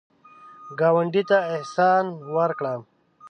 ګاونډي ته احسان وکړه